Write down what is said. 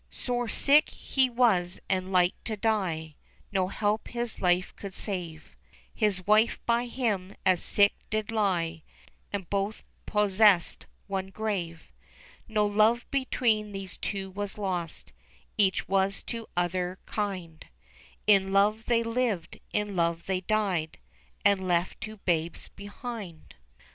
Sore sick he was and like to die, No help his life could save ; His wife by him as sick did lie. And both possest one grave. No love between these two was lost, Each was to other kind ; In love they lived, in love they died, And left two babes behind.